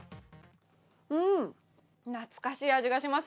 うん、懐かしい味がします。